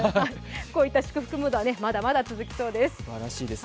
こういった祝福ムードはまだまだ続きそうです。